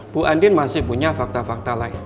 bu andin masih punya fakta fakta lain